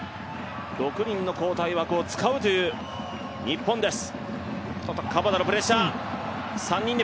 ６人の交代枠を使うという日本です